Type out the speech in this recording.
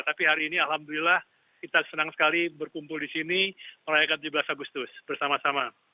tapi hari ini alhamdulillah kita senang sekali berkumpul di sini merayakan tujuh belas agustus bersama sama